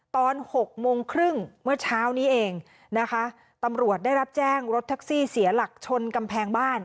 หกโมงครึ่งเมื่อเช้านี้เองนะคะตำรวจได้รับแจ้งรถแท็กซี่เสียหลักชนกำแพงบ้าน